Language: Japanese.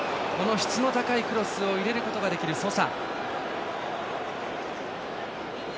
質の高いクロスを入れることができるソサ。